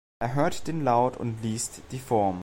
Er hört den Laut und „liest“ die Form.